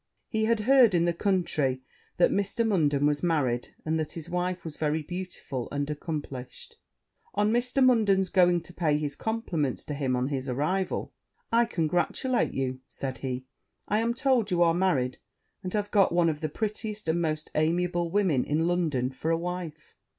He had heard in the country that Mr. Munden was married, and that his wife was very beautiful and accomplished. On Mr. Munden's going to pay his compliments to him on his arrival, 'I congratulate you,' said he; 'I am told you are married, and have got one of the prettiest and most amiable women in London for a wife.'